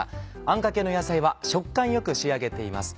あんかけの野菜は食感よく仕上げています。